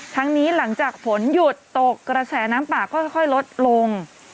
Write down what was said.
ทั้งนี้หลังจากฝนหยุดตกกระแสน้ำป่าก็ค่อยลดลง